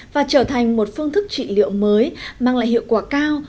và trở thành một phương thức trị liệu mới mang lại hiệu quả cao